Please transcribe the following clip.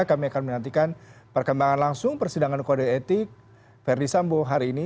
kami akan menantikan perkembangan langsung persidangan kode etik verdi sambo hari ini